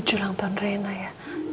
dua puluh tujuh ulang tahun rena ya